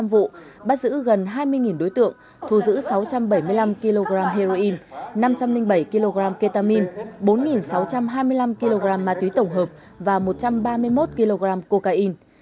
ba hai trăm tám mươi năm vụ bắt giữ gần hai mươi đối tượng thu giữ sáu trăm bảy mươi năm kg heroin năm trăm linh bảy kg ketamine bốn sáu trăm hai mươi năm kg ma túy tổng hợp và một trăm ba mươi một kg cocaine